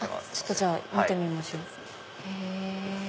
じゃあ見てみましょう。